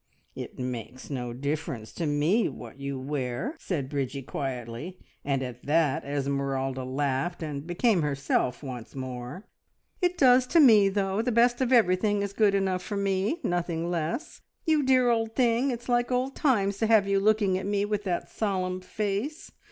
"It makes no difference to me what you wear!" said Bridgie quietly, and at that Esmeralda laughed, and became herself once more. "It does to me, though. The best of everything is good enough for me, nothing less! You dear old thing, it's like old times to have you looking at me with that solemn face.